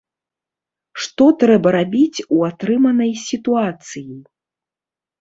Што трэба рабіць у атрыманай сітуацыі?